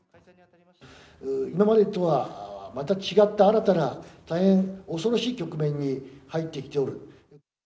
今までとはまた違った、新たな大変恐ろしい局面に入ってきている。